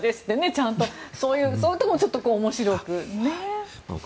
ちゃんと、そういうところが面白くね。